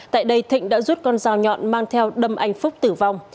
tại đây thịnh đã rút con dao nhọn mang theo đâm anh phúc tử vong